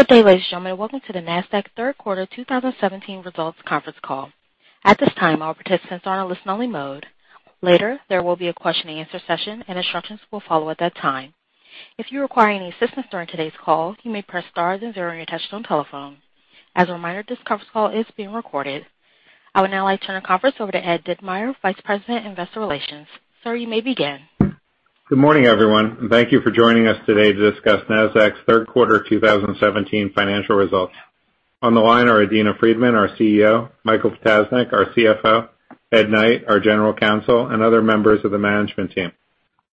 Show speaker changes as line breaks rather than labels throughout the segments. Good day, ladies and gentlemen. Welcome to the Nasdaq third quarter 2017 results conference call. At this time, all participants are in listen only mode. Later, there will be a question and answer session and instructions will follow at that time. If you require any assistance during today's call, you may press star then 0 on your touch-tone telephone. As a reminder, this conference call is being recorded. I would now like to turn the conference over to Ed Ditmire, Vice President, Investor Relations. Sir, you may begin.
Good morning, everyone. Thank you for joining us today to discuss Nasdaq's third quarter 2017 financial results. On the line are Adena Friedman, our CEO, Michael Ptasznik, our CFO, Edward Knight, our General Counsel, and other members of the management team.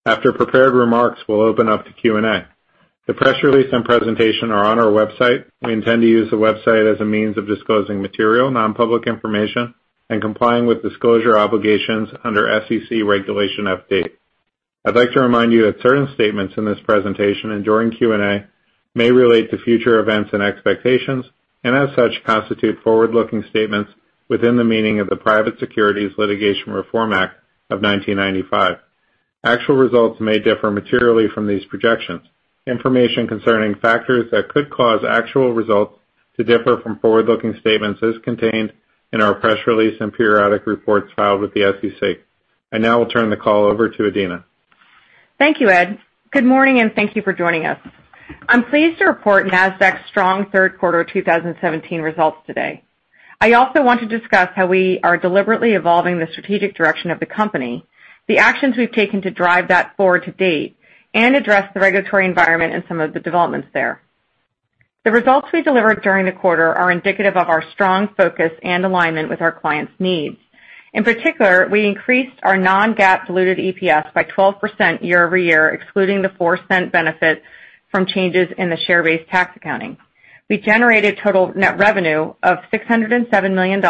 After prepared remarks, we'll open up to Q&A. The press release and presentation are on our website. We intend to use the website as a means of disclosing material, non-public information and complying with disclosure obligations under SEC regulation updates. I'd like to remind you that certain statements in this presentation and during Q&A may relate to future events and expectations. As such, constitute forward-looking statements within the meaning of the Private Securities Litigation Reform Act of 1995. Actual results may differ materially from these projections. Information concerning factors that could cause actual results to differ from forward-looking statements is contained in our press release and periodic reports filed with the SEC. I now will turn the call over to Adena.
Thank you, Ed. Good morning. Thank you for joining us. I'm pleased to report Nasdaq's strong third quarter 2017 results today. I also want to discuss how we are deliberately evolving the strategic direction of the company, the actions we've taken to drive that forward to date. Address the regulatory environment and some of the developments there. The results we delivered during the quarter are indicative of our strong focus and alignment with our clients' needs. In particular, we increased our non-GAAP diluted EPS by 12% year-over-year, excluding the $0.04 benefit from changes in the share-based tax accounting. We generated total net revenue of $607 million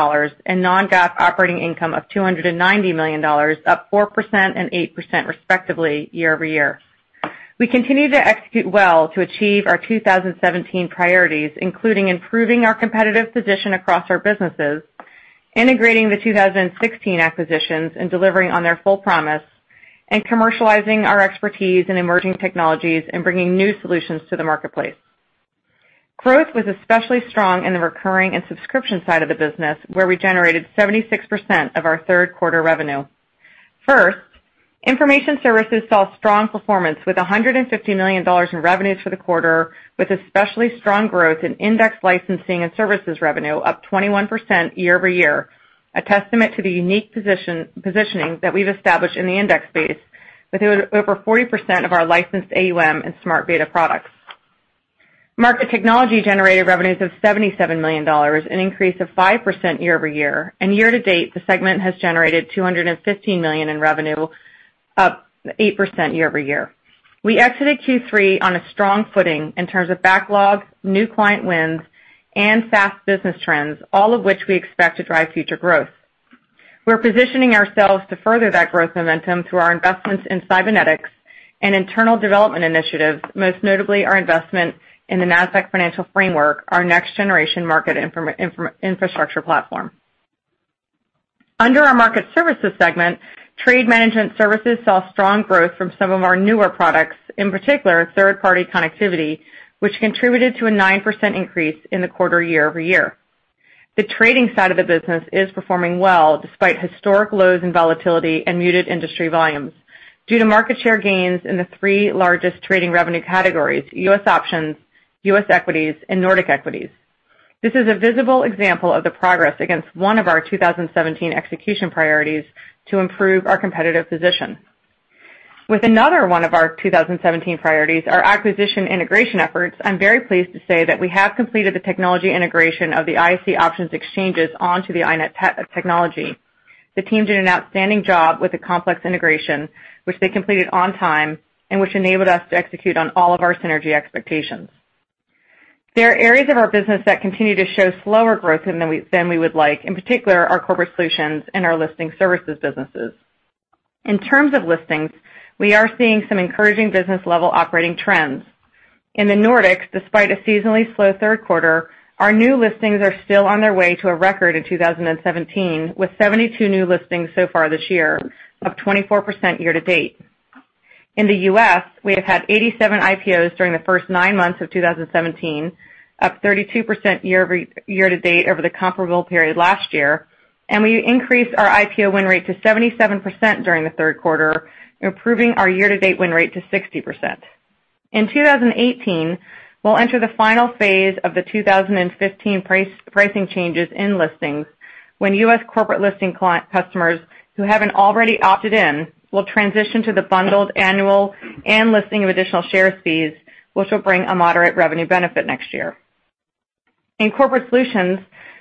in non-GAAP operating income of $290 million, up 4% and 8% respectively year-over-year. We continue to execute well to achieve our 2017 priorities, including improving our competitive position across our businesses, integrating the 2016 acquisitions and delivering on their full promise, and commercializing our expertise in emerging technologies and bringing new solutions to the marketplace. Growth was especially strong in the recurring and subscription side of the business, where we generated 76% of our third quarter revenue. First, information services saw strong performance with $150 million in revenues for the quarter, with especially strong growth in index licensing and services revenue up 21% year-over-year, a testament to the unique positioning that we've established in the index space with over 40% of our licensed AUM in smart beta products. Market technology generated revenues of $77 million, an increase of 5% year-over-year, and year to date, the segment has generated $215 million in revenue, up 8% year-over-year. We exited Q3 on a strong footing in terms of backlog, new client wins, and fast business trends, all of which we expect to drive future growth. We're positioning ourselves to further that growth momentum through our investments in Sybenetix and internal development initiatives, most notably our investment in the Nasdaq Financial Framework, our next generation market infrastructure platform. Under our market services segment, trade management services saw strong growth from some of our newer products, in particular, third-party connectivity, which contributed to a 9% increase in the quarter year-over-year. The trading side of the business is performing well despite historic lows in volatility and muted industry volumes due to market share gains in the three largest trading revenue categories, U.S. options, U.S. equities, and Nordic equities. This is a visible example of the progress against one of our 2017 execution priorities to improve our competitive position. With another one of our 2017 priorities, our acquisition integration efforts, I'm very pleased to say that we have completed the technology integration of the ISE options exchanges onto the INET technology. The teams did an outstanding job with the complex integration, which they completed on time and which enabled us to execute on all of our synergy expectations. There are areas of our business that continue to show slower growth than we would like, in particular, our corporate solutions and our listing services businesses. In terms of listings, we are seeing some encouraging business-level operating trends. In the Nordics, despite a seasonally slow third quarter, our new listings are still on their way to a record in 2017, with 72 new listings so far this year, up 24% year to date. In the U.S., we have had 87 IPOs during the first nine months of 2017, up 32% year to date over the comparable period last year. We increased our IPO win rate to 77% during the third quarter, improving our year to date win rate to 60%. In 2018, we'll enter the final phase of the 2015 pricing changes in listings when U.S. corporate listing customers who haven't already opted in will transition to the bundled annual and listing of additional shares fees, which will bring a moderate revenue benefit next year. In corporate solutions,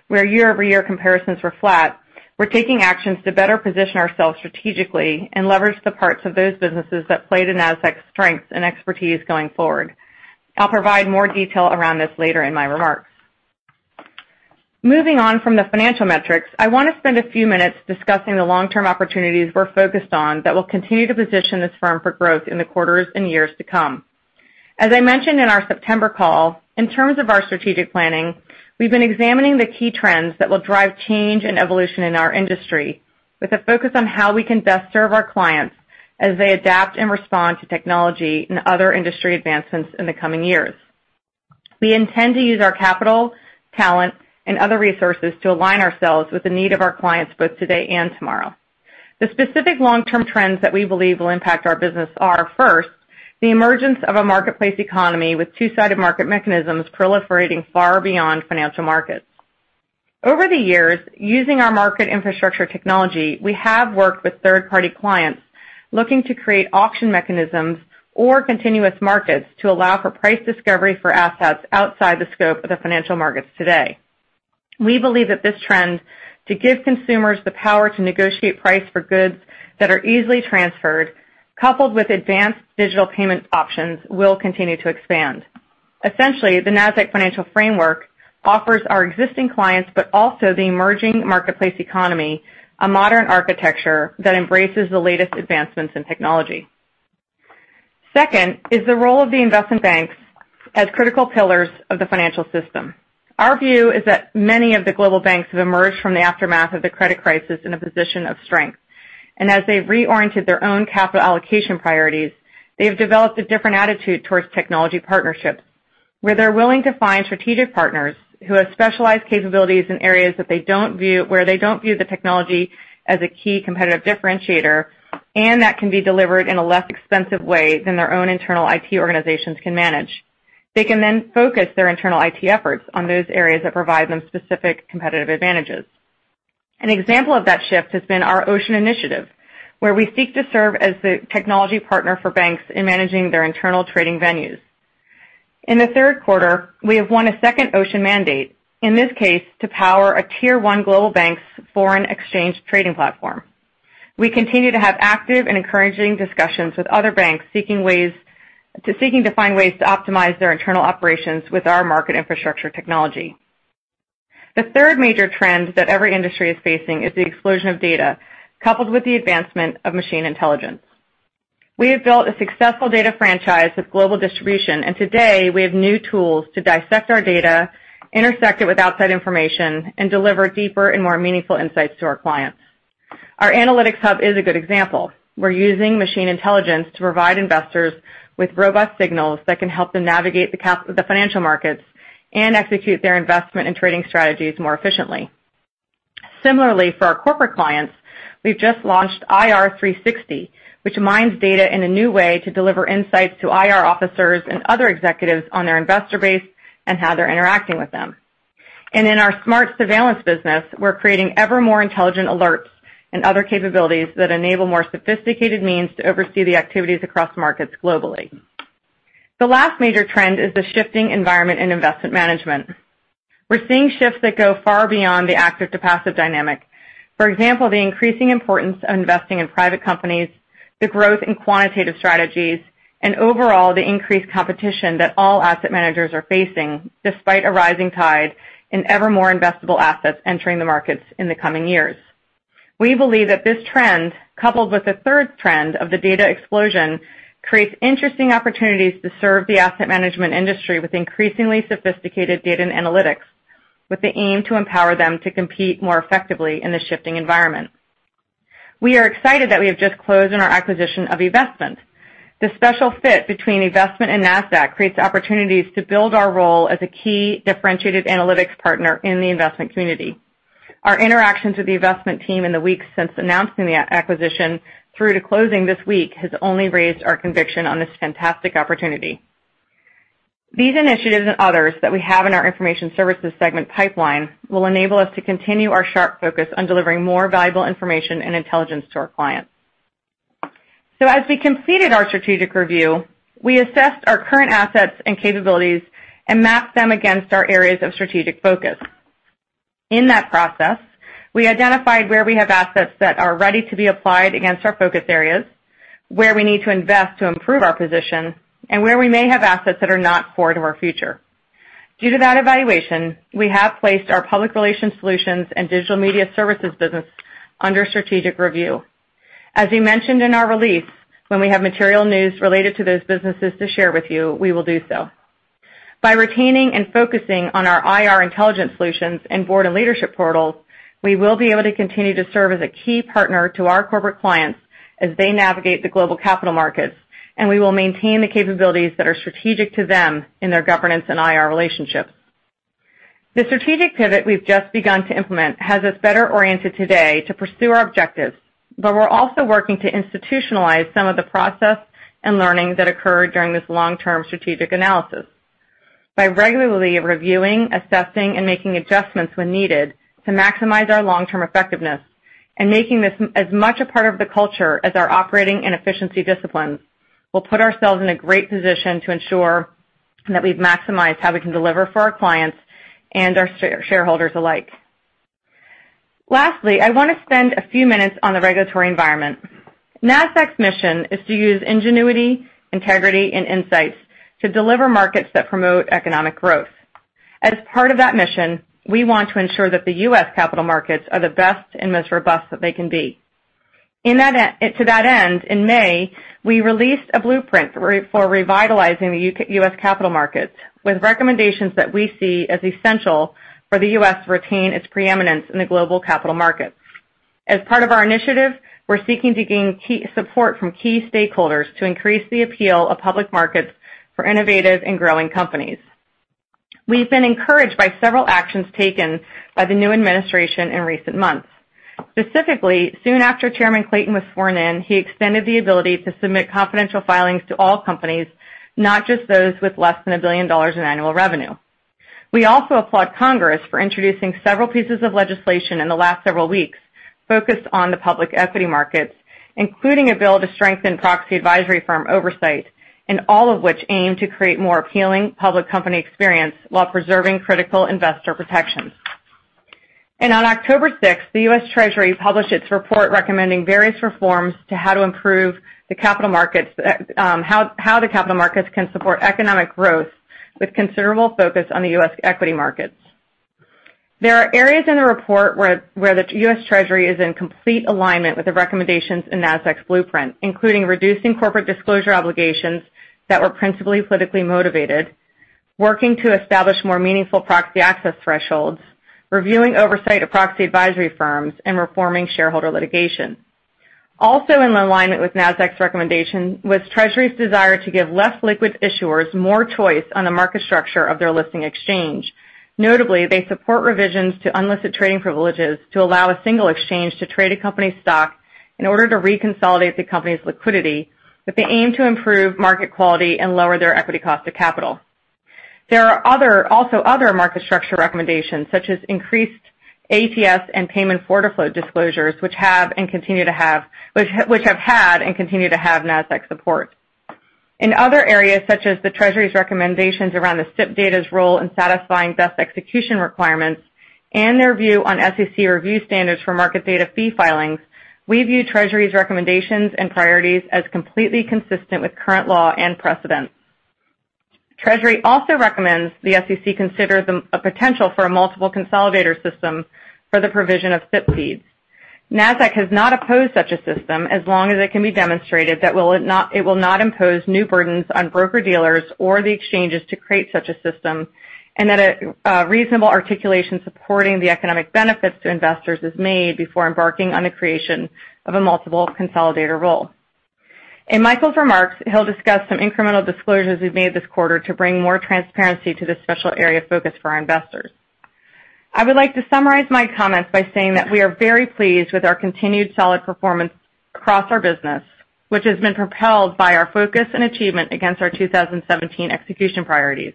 where year-over-year comparisons were flat, we're taking actions to better position ourselves strategically and leverage the parts of those businesses that play to Nasdaq's strengths and expertise going forward. I'll provide more detail around this later in my remarks. Moving on from the financial metrics, I want to spend a few minutes discussing the long-term opportunities we're focused on that will continue to position this firm for growth in the quarters and years to come. As I mentioned in our September call, in terms of our strategic planning, we've been examining the key trends that will drive change and evolution in our industry with a focus on how we can best serve our clients as they adapt and respond to technology and other industry advancements in the coming years. We intend to use our capital, talent, and other resources to align ourselves with the need of our clients, both today and tomorrow. The specific long-term trends that we believe will impact our business are, first, the emergence of a marketplace economy with two-sided market mechanisms proliferating far beyond financial markets. Over the years, using our market infrastructure technology, we have worked with third-party clients looking to create auction mechanisms or continuous markets to allow for price discovery for assets outside the scope of the financial markets today. We believe that this trend, to give consumers the power to negotiate price for goods that are easily transferred, coupled with advanced digital payment options, will continue to expand. Essentially, the Nasdaq Financial Framework offers our existing clients, but also the emerging marketplace economy, a modern architecture that embraces the latest advancements in technology. Second is the role of the investment banks as critical pillars of the financial system. Our view is that many of the global banks have emerged from the aftermath of the credit crisis in a position of strength. As they've reoriented their own capital allocation priorities, they have developed a different attitude towards technology partnerships, where they're willing to find strategic partners who have specialized capabilities in areas where they don't view the technology as a key competitive differentiator, and that can be delivered in a less expensive way than their own internal IT organizations can manage. They can then focus their internal IT efforts on those areas that provide them specific competitive advantages. An example of that shift has been our Ocean initiative, where we seek to serve as the technology partner for banks in managing their internal trading venues. In the third quarter, we have won a second Ocean mandate, in this case, to power a Tier 1 global bank's foreign exchange trading platform. We continue to have active and encouraging discussions with other banks seeking to find ways to optimize their internal operations with our market infrastructure technology. The third major trend that every industry is facing is the explosion of data, coupled with the advancement of machine intelligence. We have built a successful data franchise with global distribution, and today, we have new tools to dissect our data, intersect it with outside information, and deliver deeper and more meaningful insights to our clients. Our Analytics Hub is a good example. We're using machine intelligence to provide investors with robust signals that can help them navigate the financial markets and execute their investment and trading strategies more efficiently. Similarly, for our corporate clients, we've just launched Insight360, which mines data in a new way to deliver insights to IR officers and other executives on their investor base and how they're interacting with them. In our smart surveillance business, we're creating ever more intelligent alerts and other capabilities that enable more sophisticated means to oversee the activities across markets globally. The last major trend is the shifting environment in investment management. We're seeing shifts that go far beyond the active to passive dynamic. For example, the increasing importance of investing in private companies, the growth in quantitative strategies, and overall, the increased competition that all asset managers are facing, despite a rising tide in ever more investable assets entering the markets in the coming years. We believe that this trend, coupled with the third trend of the data explosion, creates interesting opportunities to serve the asset management industry with increasingly sophisticated data and analytics, with the aim to empower them to compete more effectively in the shifting environment. We are excited that we have just closed on our acquisition of eVestment. The special fit between eVestment and Nasdaq creates opportunities to build our role as a key differentiated analytics partner in the investment community. Our interactions with the eVestment team in the weeks since announcing the acquisition through to closing this week has only raised our conviction on this fantastic opportunity. These initiatives and others that we have in our information services segment pipeline will enable us to continue our sharp focus on delivering more valuable information and intelligence to our clients. As we completed our strategic review, we assessed our current assets and capabilities and mapped them against our areas of strategic focus. In that process, we identified where we have assets that are ready to be applied against our focus areas, where we need to invest to improve our position, and where we may have assets that are not core to our future. Due to that evaluation, we have placed our public relations solutions and digital media services business under strategic review. As we mentioned in our release, when we have material news related to those businesses to share with you, we will do so. By retaining and focusing on our IR intelligence solutions and board and leadership portals, we will be able to continue to serve as a key partner to our corporate clients as they navigate the global capital markets, and we will maintain the capabilities that are strategic to them in their governance and IR relationships. The strategic pivot we've just begun to implement has us better oriented today to pursue our objectives, but we're also working to institutionalize some of the process and learnings that occurred during this long-term strategic analysis. By regularly reviewing, assessing, and making adjustments when needed to maximize our long-term effectiveness and making this as much a part of the culture as our operating and efficiency disciplines will put ourselves in a great position to ensure that we've maximized how we can deliver for our clients and our shareholders alike. Lastly, I want to spend a few minutes on the regulatory environment. Nasdaq's mission is to use ingenuity, integrity, and insights to deliver markets that promote economic growth. As part of that mission, we want to ensure that the U.S. capital markets are the best and most robust that they can be. To that end, in May, we released a blueprint for revitalizing the U.S. capital markets with recommendations that we see as essential for the U.S. to retain its preeminence in the global capital markets. As part of our initiative, we're seeking to gain support from key stakeholders to increase the appeal of public markets for innovative and growing companies. We've been encouraged by several actions taken by the new administration in recent months. Specifically, soon after Chairman Clayton was sworn in, he extended the ability to submit confidential filings to all companies, not just those with less than $1 billion in annual revenue. We also applaud Congress for introducing several pieces of legislation in the last several weeks focused on the public equity markets, including a bill to strengthen proxy advisory firm oversight. All of which aim to create more appealing public company experience while preserving critical investor protections. On October 6th, the U.S. Treasury published its report recommending various reforms to how to improve the capital markets, how the capital markets can support economic growth with considerable focus on the U.S. equity markets. There are areas in the report where the U.S. Treasury is in complete alignment with the recommendations in Nasdaq's blueprint, including reducing corporate disclosure obligations that were principally politically motivated, working to establish more meaningful proxy access thresholds, reviewing oversight of proxy advisory firms, and reforming shareholder litigation. Also in alignment with Nasdaq's recommendation was Treasury's desire to give less liquid issuers more choice on the market structure of their listing exchange. Notably, they support revisions to unlisted trading privileges to allow a single exchange to trade a company's stock in order to reconsolidate the company's liquidity, with the aim to improve market quality and lower their equity cost to capital. There are also other market structure recommendations, such as increased ATS and payment for order flow disclosures, which have had and continue to have Nasdaq support. In other areas, such as the Treasury's recommendations around the SIP data's role in satisfying Best Execution requirements and their view on SEC review standards for market data fee filings, we view Treasury's recommendations and priorities as completely consistent with current law and precedent. Treasury also recommends the SEC consider a potential for a multiple consolidator system for the provision of SIP feeds. Nasdaq has not opposed such a system, as long as it can be demonstrated that it will not impose new burdens on broker-dealers or the exchanges to create such a system, and that a reasonable articulation supporting the economic benefits to investors is made before embarking on the creation of a multiple consolidator role. In Michael's remarks, he'll discuss some incremental disclosures we've made this quarter to bring more transparency to this special area of focus for our investors. I would like to summarize my comments by saying that we are very pleased with our continued solid performance across our business, which has been propelled by our focus and achievement against our 2017 execution priorities.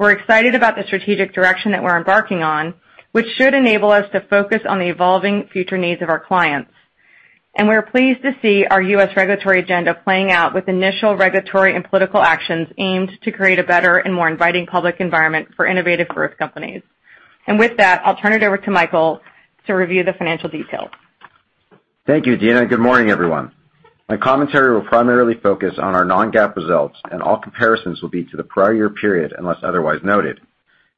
We're excited about the strategic direction that we're embarking on, which should enable us to focus on the evolving future needs of our clients. And we're pleased to see our U.S. regulatory agenda playing out with initial regulatory and political actions aimed to create a better and more inviting public environment for innovative growth companies. With that, I'll turn it over to Michael to review the financial details.
Thank you, Adena. Good morning, everyone. My commentary will primarily focus on our non-GAAP results, and all comparisons will be to the prior year period, unless otherwise noted.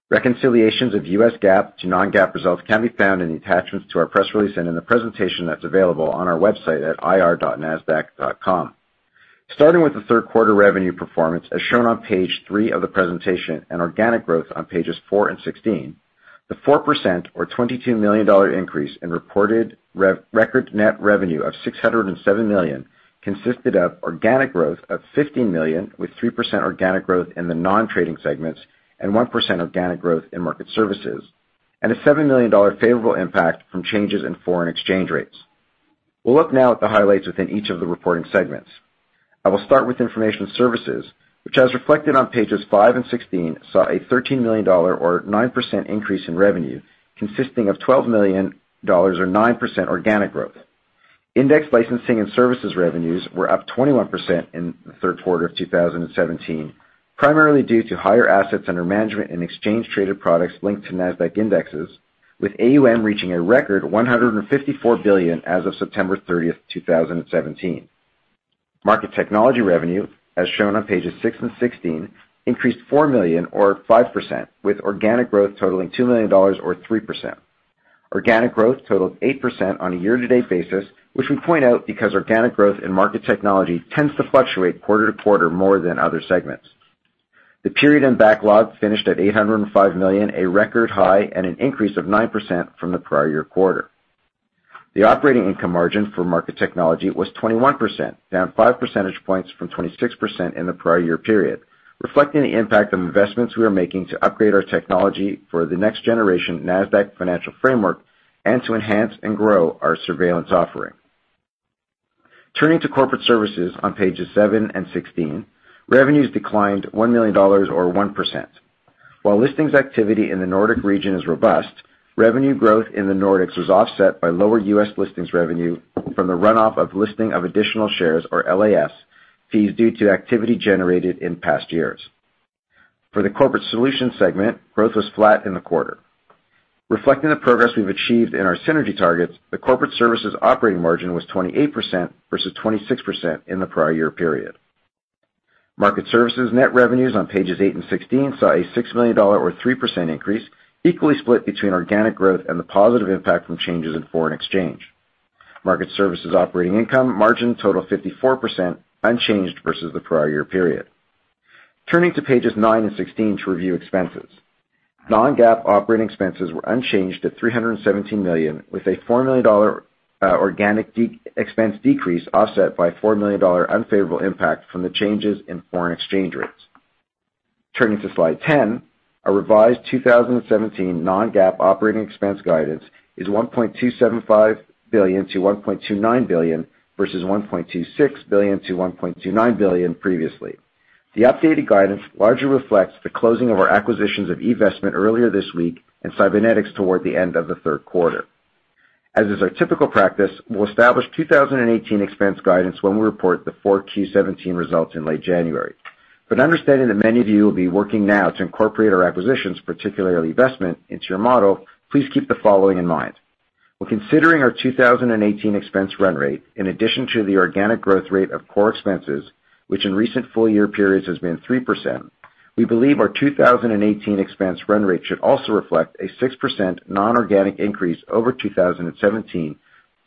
Reconciliations of U.S. GAAP to non-GAAP results can be found in the attachments to our press release and in the presentation that is available on our website at ir.nasdaq.com. Starting with the third quarter revenue performance, as shown on page three of the presentation, and organic growth on pages four and 16. The 4% or $22 million increase in reported record net revenue of $607 million consisted of organic growth of $15 million, with 3% organic growth in the non-trading segments and 1% organic growth in Market Services, and a $7 million favorable impact from changes in foreign exchange rates. We will look now at the highlights within each of the reporting segments. I will start with Information Services, which, as reflected on pages five and 16, saw a $13 million or 9% increase in revenue, consisting of $12 million or 9% organic growth. Index licensing and services revenues were up 21% in the third quarter of 2017, primarily due to higher assets under management and exchange traded products linked to Nasdaq indexes, with AUM reaching a record $154 billion as of September 30, 2017. Market Technology revenue, as shown on pages six and 16, increased $4 million or 5%, with organic growth totaling $2 million or 3%. Organic growth totaled 8% on a year-to-date basis, which we point out because organic growth in Market Technology tends to fluctuate quarter-to-quarter more than other segments. The period-end backlog finished at $805 million, a record high and an increase of 9% from the prior year quarter. The operating income margin for Market Technology was 21%, down five percentage points from 26% in the prior year period, reflecting the impact of investments we are making to upgrade our technology for the next generation Nasdaq Financial Framework and to enhance and grow our surveillance offering. Turning to Corporate Services on pages seven and 16, revenues declined $1 million or 1%. While listings activity in the Nordic region is robust, revenue growth in the Nordics was offset by lower U.S. listings revenue from the runoff of listing of additional shares or LAS fees due to activity generated in past years. For the Corporate Solutions segment, growth was flat in the quarter. Reflecting the progress we have achieved in our synergy targets, the Corporate Services operating margin was 28% versus 26% in the prior year period. Market Services net revenues on pages eight and 16 saw a $6 million or 3% increase, equally split between organic growth and the positive impact from changes in foreign exchange. Market Services operating income margin totaled 54%, unchanged versus the prior year period. Turning to pages nine and 16 to review expenses. Non-GAAP operating expenses were unchanged at $317 million, with a $4 million organic expense decrease offset by a $4 million unfavorable impact from the changes in foreign exchange rates. Turning to slide 10, our revised 2017 non-GAAP operating expense guidance is $1.275 billion-$1.29 billion versus $1.26 billion-$1.29 billion previously. The updated guidance largely reflects the closing of our acquisitions of eVestment earlier this week and Sybenetix toward the end of the third quarter. As is our typical practice, we'll establish 2018 expense guidance when we report the 4Q17 results in late January. Understanding that many of you will be working now to incorporate our acquisitions, particularly eVestment, into your model, please keep the following in mind. When considering our 2018 expense run rate, in addition to the organic growth rate of core expenses, which in recent full-year periods has been 3%, we believe our 2018 expense run rate should also reflect a 6% non-organic increase over 2017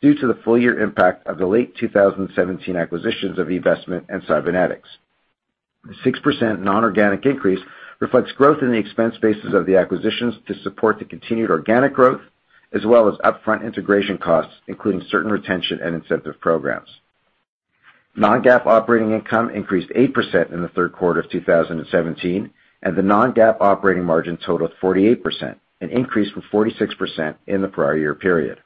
due to the full-year impact of the late 2017 acquisitions of eVestment and Sybenetix. The 6% non-organic increase reflects growth in the expense bases of the acquisitions to support the continued organic growth, as well as upfront integration costs, including certain retention and incentive programs. Non-GAAP operating income increased 8% in the third quarter of 2017, and the non-GAAP operating margin totaled 48%, an increase from 46% in the prior year period.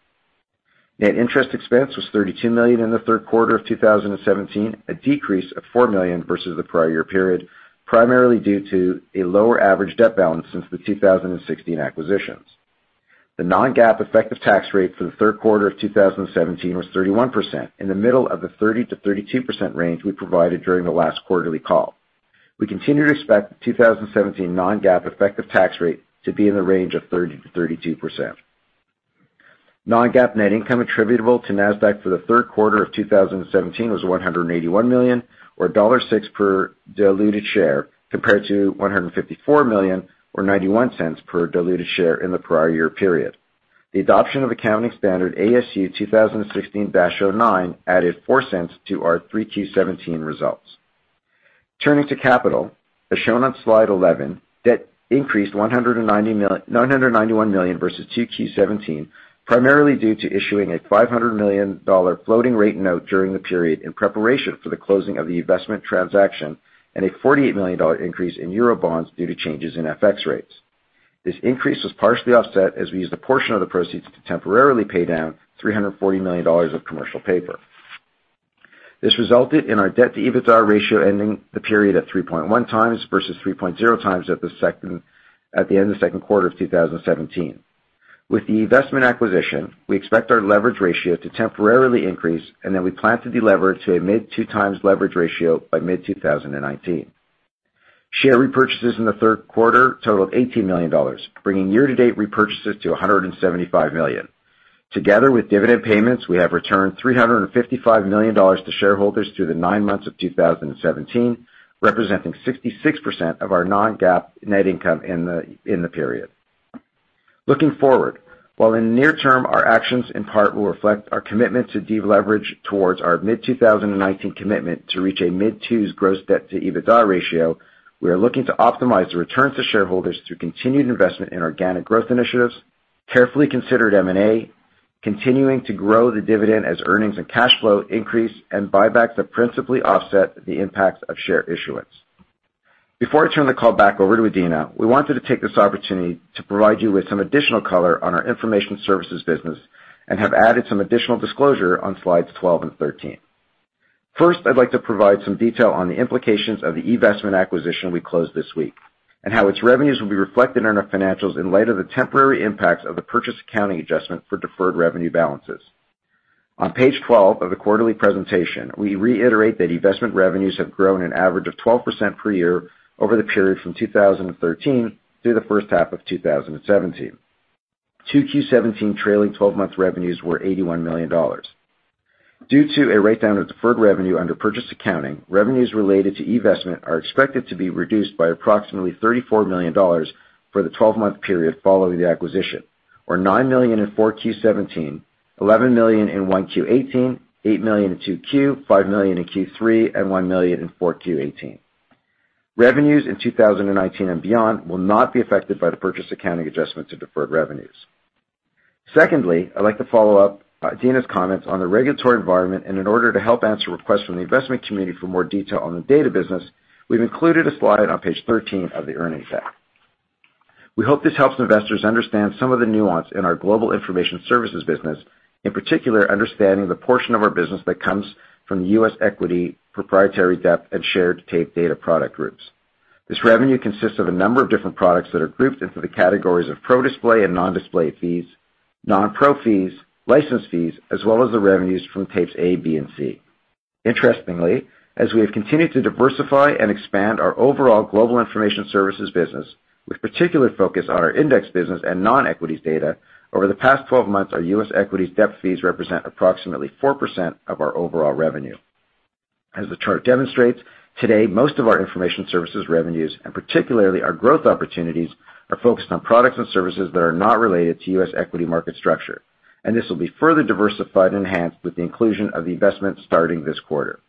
Net interest expense was $32 million in the third quarter of 2017, a decrease of $4 million versus the prior year period, primarily due to a lower average debt balance since the 2016 acquisitions. The non-GAAP effective tax rate for the third quarter of 2017 was 31%, in the middle of the 30%-32% range we provided during the last quarterly call. We continue to expect the 2017 non-GAAP effective tax rate to be in the range of 30%-32%. Non-GAAP net income attributable to Nasdaq for the third quarter of 2017 was $181 million, or $1.06 per diluted share, compared to $154 million or $0.91 per diluted share in the prior year period. The adoption of accounting standard ASU 2016-09 added $0.04 to our 3Q17 results. Turning to capital, as shown on slide 11, debt increased $991 million versus 2Q17, primarily due to issuing a $500 million floating rate note during the period in preparation for the closing of the eVestment transaction and a $48 million increase in euro bonds due to changes in FX rates. This increase was partially offset as we used a portion of the proceeds to temporarily pay down $340 million of commercial paper. This resulted in our debt-to-EBITDA ratio ending the period at 3.1 times versus 3.0 times at the end of the second quarter of 2017. With the eVestment acquisition, we expect our leverage ratio to temporarily increase, and then we plan to deleverage to a mid-two times leverage ratio by mid-2019. Share repurchases in the third quarter totaled $18 million, bringing year-to-date repurchases to $175 million. Together with dividend payments, we have returned $355 million to shareholders through the nine months of 2017, representing 66% of our non-GAAP net income in the period. Looking forward, while in the near term, our actions in part will reflect our commitment to deleverage towards our mid-2019 commitment to reach a mid-twos gross debt-to-EBITDA ratio, we are looking to optimize the returns to shareholders through continued investment in organic growth initiatives, carefully considered M&A, continuing to grow the dividend as earnings and cash flow increase, and buybacks that principally offset the impacts of share issuance. Before I turn the call back over to Adena, we wanted to take this opportunity to provide you with some additional color on our information services business and have added some additional disclosure on slides 12 and 13. First, I'd like to provide some detail on the implications of the eVestment acquisition we closed this week and how its revenues will be reflected in our financials in light of the temporary impacts of the purchase accounting adjustment for deferred revenue balances. On page 12 of the quarterly presentation, we reiterate that eVestment revenues have grown an average of 12% per year over the period from 2013 through the first half of 2017. 2Q17 trailing 12 months revenues were $81 million. Due to a writedown of deferred revenue under purchase accounting, revenues related to eVestment are expected to be reduced by approximately $34 million for the 12-month period following the acquisition, or $9 million in 4Q17, $11 million in 1Q18, $8 million in 2Q, $5 million in Q3, and $1 million in 4Q18. Revenues in 2019 and beyond will not be affected by the purchase accounting adjustment to deferred revenues. Secondly, I'd like to follow up Adena's comments on the regulatory environment. In order to help answer requests from the investment community for more detail on the data business, we've included a slide on page 13 of the earnings deck. We hope this helps investors understand some of the nuance in our global information services business, in particular, understanding the portion of our business that comes from the U.S. equity, proprietary depth, and shared tape data product groups. This revenue consists of a number of different products that are grouped into the categories of pro display and non-display fees, non-pro fees, license fees, as well as the revenues from Tapes A, B, and C. Interestingly, as we have continued to diversify and expand our overall global information services business, with particular focus on our index business and non-equities data, over the past 12 months, our U.S. equities debt fees represent approximately 4% of our overall revenue. As the chart demonstrates, today, most of our information services revenues, and particularly our growth opportunities, are focused on products and services that are not related to U.S. equity market structure. This will be further diversified and enhanced with the inclusion of the eVestment starting this quarter.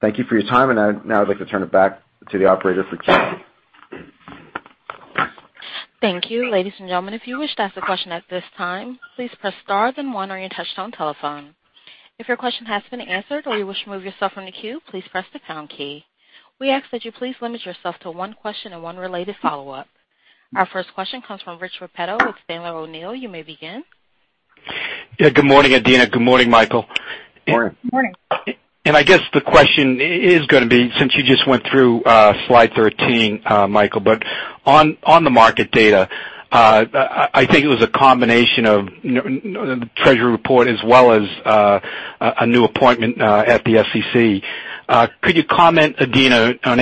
Thank you for your time, and now I'd like to turn it back to the operator for queueing.
Thank you. Ladies and gentlemen, if you wish to ask a question at this time, please press star then one on your touchtone telephone. If your question has been answered or you wish to remove yourself from the queue, please press the pound key. We ask that you please limit yourself to one question and one related follow-up. Our first question comes from Rich Repetto with Sandler O'Neill. You may begin.
Yeah, good morning, Adena. Good morning, Michael.
Morning.
Morning.
I guess the question is gonna be, since you just went through slide 13, Michael, but on the market data, I think it was a combination of the Treasury report as well as a new appointment at the SEC. Could you comment, Adena, on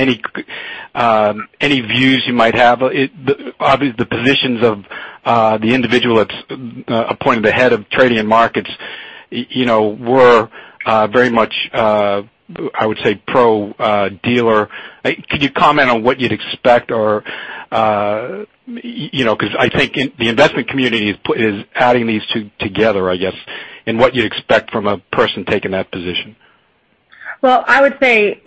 any views you might have? Obviously, the positions of the individual that's appointed the head of Trading and Markets were very much, I would say, pro-dealer. Could you comment on what you'd expect? I think the investment community is adding these two together, I guess, in what you'd expect from a person taking that position.
Well, I would say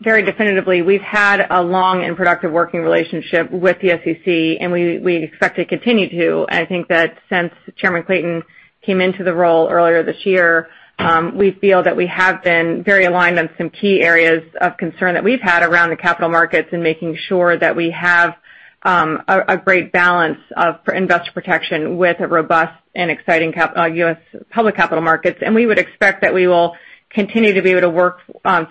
very definitively, we've had a long and productive working relationship with the SEC, we expect to continue to. I think that since Chairman Clayton came into the role earlier this year, we feel that we have been very aligned on some key areas of concern that we've had around the capital markets and making sure that we have a great balance for investor protection with a robust and exciting U.S. public capital markets. We would expect that we will continue to be able to work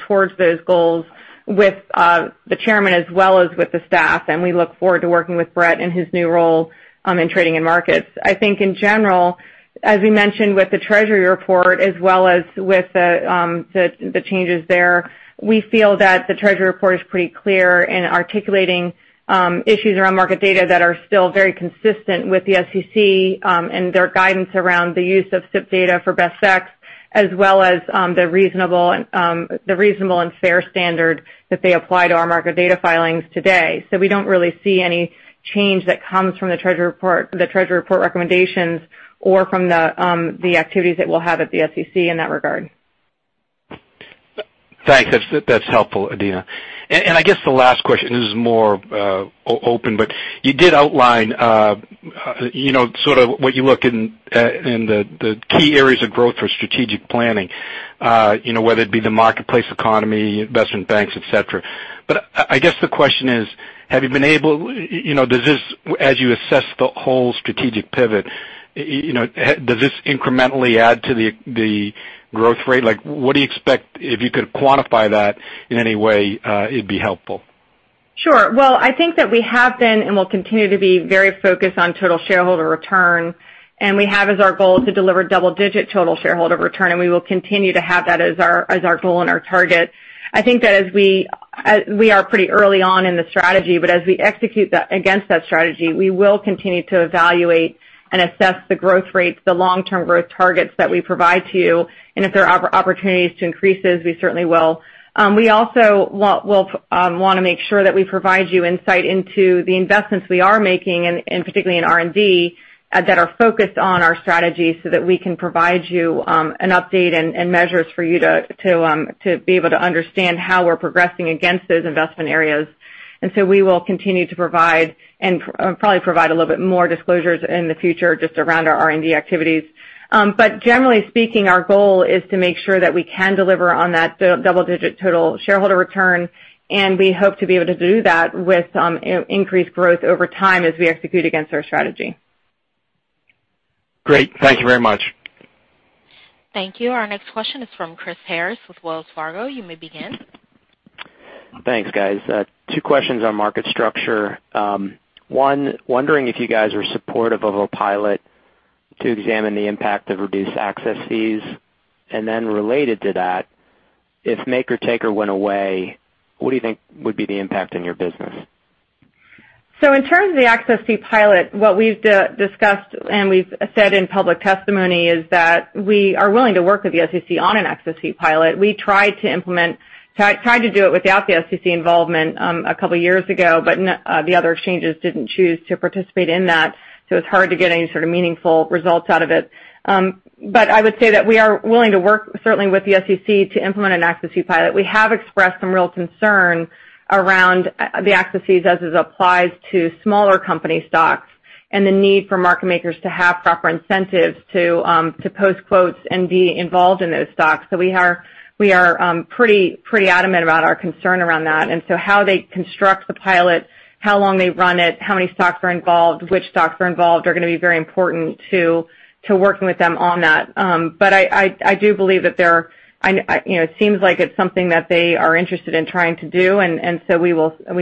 towards those goals with the Chairman as well as with the staff. We look forward to working with Brett in his new role in Trading and Markets. I think in general, as we mentioned with the Treasury report as well as with the changes there, we feel that the Treasury report is pretty clear in articulating issues around market data that are still very consistent with the SEC and their guidance around the use of SIP data for Best Exec, as well as the reasonable and fair standard that they apply to our market data filings today. We don't really see any change that comes from the Treasury report recommendations or from the activities that we'll have at the SEC in that regard.
Thanks. That's helpful, Adena. I guess the last question is more open, but you did outline sort of what you look in the key areas of growth for strategic planning, whether it be the marketplace economy, investment banks, et cetera. I guess the question is, does this, as you assess the whole strategic pivot, incrementally add to the growth rate? Like, what do you expect, if you could quantify that in any way, it'd be helpful.
Sure. Well, I think that we have been and will continue to be very focused on total shareholder return. We have as our goal to deliver double-digit total shareholder return, and we will continue to have that as our goal and our target. I think that as we are pretty early on in the strategy, but as we execute against that strategy, we will continue to evaluate and assess the growth rates, the long-term growth targets that we provide to you. If there are opportunities to increase those, we certainly will. We also will want to make sure that we provide you insight into the investments we are making, and particularly in R&D, that are focused on our strategy so that we can provide you an update and measures for you to be able to understand how we're progressing against those investment areas. We will continue to provide and probably provide a little bit more disclosures in the future just around our R&D activities. Generally speaking, our goal is to make sure that we can deliver on that double-digit total shareholder return, and we hope to be able to do that with increased growth over time as we execute against our strategy.
Great. Thank you very much.
Thank you. Our next question is from Chris Harris with Wells Fargo. You may begin.
Thanks, guys. Two questions on market structure. One, wondering if you guys are supportive of a pilot to examine the impact of reduced access fees. Related to that, if maker-taker went away, what do you think would be the impact on your business?
In terms of the access fee pilot, what we've discussed and we've said in public testimony is that we are willing to work with the SEC on an access fee pilot. We tried to do it without the SEC involvement a couple of years ago, the other exchanges didn't choose to participate in that, it's hard to get any sort of meaningful results out of it. I would say that we are willing to work, certainly with the SEC, to implement an access fee pilot. We have expressed some real concern around the access fees as it applies to smaller company stocks and the need for market makers to have proper incentives to post quotes and be involved in those stocks. We are pretty adamant about our concern around that. How they construct the pilot, how long they run it, how many stocks are involved, which stocks are involved, are going to be very important to working with them on that. I do believe that it seems like it's something that they are interested in trying to do, we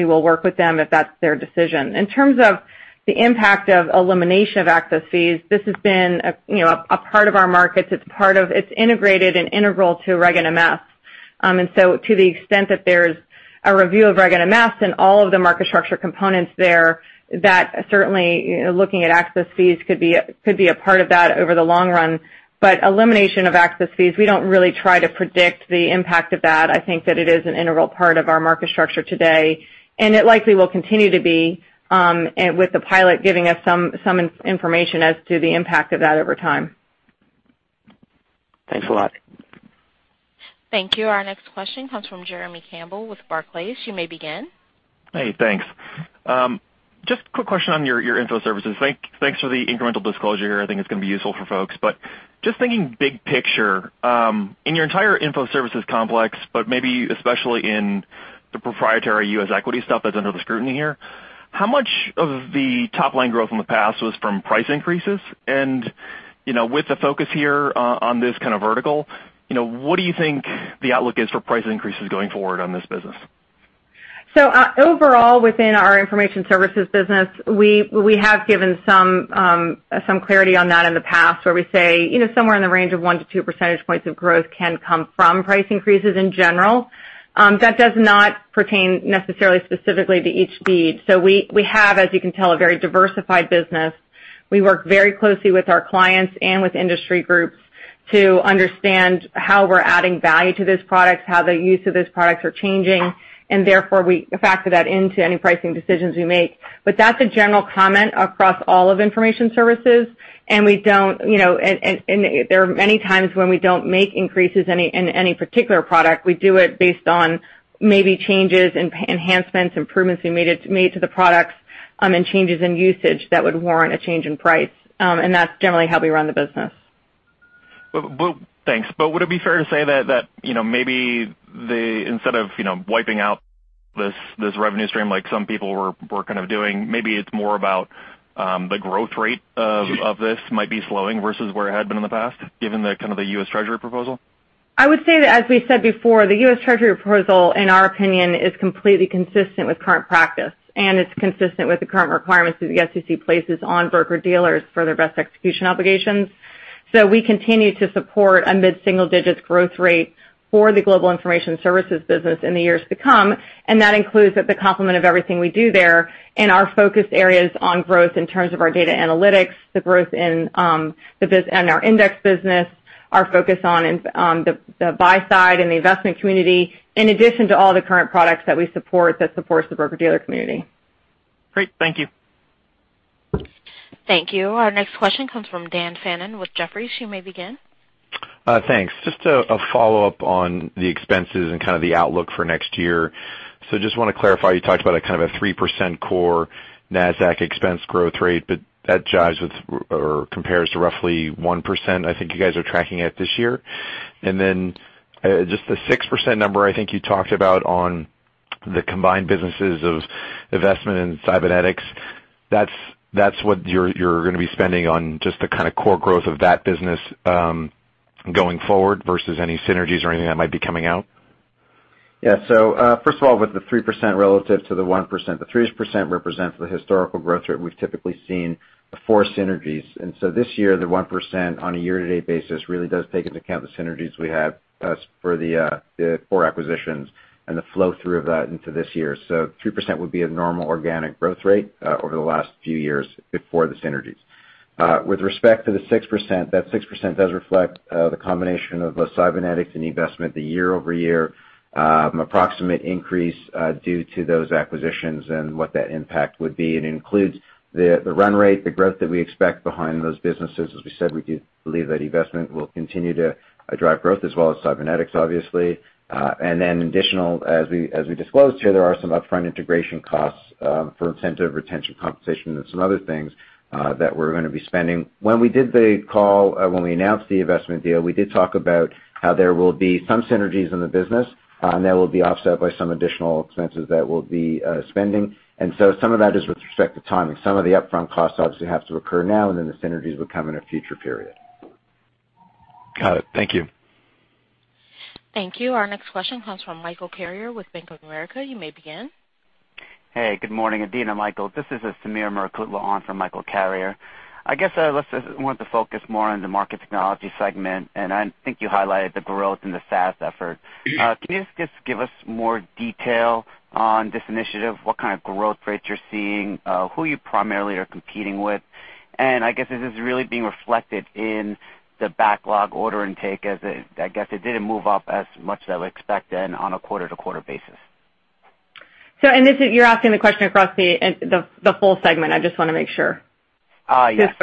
will work with them if that's their decision. In terms of the impact of elimination of access fees, this has been a part of our markets. It's integrated and integral to Regulation NMS. To the extent that there's a review of Regulation NMS and all of the market structure components there, that certainly looking at access fees could be a part of that over the long run. Elimination of access fees, we don't really try to predict the impact of that. I think that it is an integral part of our market structure today, and it likely will continue to be, with the pilot giving us some information as to the impact of that over time.
Thanks a lot.
Thank you. Our next question comes from Jeremy Campbell with Barclays. You may begin.
Hey, thanks. Just a quick question on your info services. Thanks for the incremental disclosure here. I think it's going to be useful for folks, but just thinking big picture, in your entire info services complex, but maybe especially in the proprietary U.S. equity stuff that's under the scrutiny here, how much of the top-line growth in the past was from price increases? With the focus here on this kind of vertical, what do you think the outlook is for price increases going forward on this business?
Overall, within our Information Services business, we have given some clarity on that in the past, where we say somewhere in the range of 1-2 percentage points of growth can come from price increases in general. That does not pertain necessarily specifically to each feed. We have, as you can tell, a very diversified business. We work very closely with our clients and with industry groups to understand how we're adding value to those products, how the use of those products are changing, and therefore we factor that into any pricing decisions we make. That's a general comment across all of Information Services, and there are many times when we don't make increases in any particular product. We do it based on maybe changes, enhancements, improvements we made to the products and changes in usage that would warrant a change in price. That's generally how we run the business.
Thanks. Would it be fair to say that maybe instead of wiping out this revenue stream like some people were kind of doing, maybe it's more about the growth rate of this might be slowing versus where it had been in the past, given the kind of the U.S. Treasury proposal?
I would say that, as we said before, the U.S. Treasury proposal, in our opinion, is completely consistent with current practice, and it's consistent with the current requirements that the SEC places on broker-dealers for their Best Execution obligations. We continue to support a mid-single-digit growth rate for the Global Information Services business in the years to come, and that includes the complement of everything we do there and our focus areas on growth in terms of our data analytics, the growth in our index business, our focus on the buy side and the investment community, in addition to all the current products that we support that supports the broker-dealer community.
Great. Thank you.
Thank you. Our next question comes from Dan Fannon with Jefferies. You may begin.
Thanks. Just a follow-up on the expenses and kind of the outlook for next year. Just want to clarify, you talked about a kind of a 3% core Nasdaq expense growth rate, but that jives with or compares to roughly 1% I think you guys are tracking at this year. Then just the 6% number I think you talked about on the combined businesses of eVestment and Sybenetix, that's what you're going to be spending on just the kind of core growth of that business going forward versus any synergies or anything that might be coming out?
First of all, with the 3% relative to the 1%, the 3% represents the historical growth rate we've typically seen before synergies. This year, the 1% on a year-to-date basis really does take into account the synergies we have as for the four acquisitions and the flow-through of that into this year. 3% would be a normal organic growth rate over the last few years before the synergies. With respect to the 6%, that 6% does reflect the combination of both Sybenetix and eVestment, the year-over-year approximate increase due to those acquisitions and what that impact would be, and includes the run rate, the growth that we expect behind those businesses. As we said, we do believe that eVestment will continue to drive growth as well as Sybenetix, obviously. Additional, as we disclosed here, there are some upfront integration costs for incentive retention compensation and some other things that we're going to be spending. When we did the call, when we announced the eVestment deal, we did talk about how there will be some synergies in the business, and that will be offset by some additional expenses that we'll be spending. So some of that is with respect to timing. Some of the upfront costs obviously have to occur now, and then the synergies would come in a future period.
Got it. Thank you.
Thank you. Our next question comes from Michael Carrier with Bank of America. You may begin.
Hey, good morning, Adena. Michael. This is Sameer Murukutla on for Michael Carrier. I guess I want to focus more on the market technology segment, and I think you highlighted the growth in the SaaS effort. Can you just give us more detail on this initiative, what kind of growth rates you're seeing, who you primarily are competing with? I guess if this is really being reflected in the backlog order intake as, I guess, it didn't move up as much as I would expect then on a quarter-to-quarter basis.
You're asking the question across the full segment? I just want to make sure.
Yes.